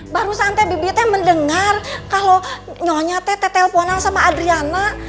baru saatnya bibitnya mendengar kalo nyonya teh telponan sama adriana